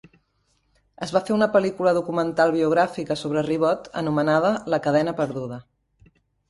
Es va fer una pel·lícula documental biogràfica sobre Ribot anomenada "La Cadena perduda".